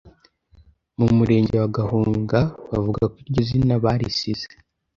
mu murenge wa Gahunga bavuga ko iryo zina barisize